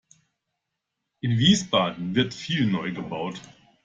In Wiesbaden wird viel gebaut.